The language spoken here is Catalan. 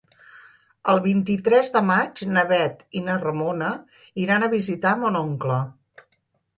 El vint-i-tres de maig na Bet i na Ramona iran a visitar mon oncle.